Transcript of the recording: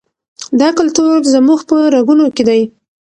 دا کلتور زموږ په رګونو کې دی.